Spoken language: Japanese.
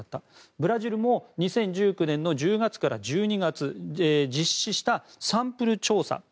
ブラジルも２０１９年の１０月から１２月実施したサンプル調査。